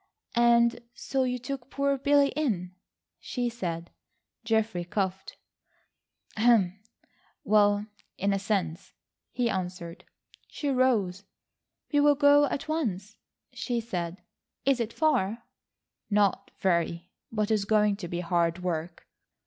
"And so you took poor Billy in?" she said. Geoffrey coughed. "Well, in a sense," he answered. She rose. "We'll go at once," she said. "Is it far?" "Not very, but it is going to be hard work."